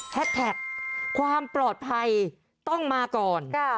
แท็กความปลอดภัยต้องมาก่อน